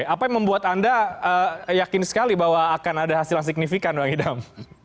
apa yang membuat anda yakin sekali bahwa akan ada hasil yang signifikan bang idam